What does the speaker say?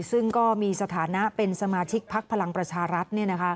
ซึ่งก็มีสถานะเป็นสมาชิกพักพลังประชารัฐ